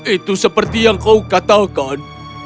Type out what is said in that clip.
itu seperti yang kau katakan